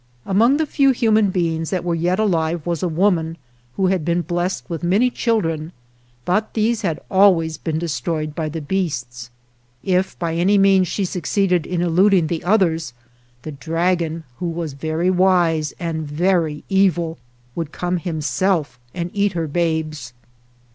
Among the few human beings that were yet alive was a woman who had been blessed with many children, but these had always been destroyed by the beasts. If by any means she succeeded in eluding the others, the dragon, who was very wise and very evil, would come himself and eat her babes.